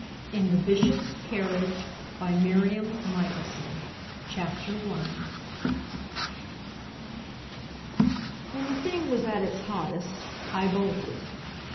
IN THE BISHOP'S CARRIAGE By MIRIAM MICHELSON I. When the thing was at its hottest, I bolted.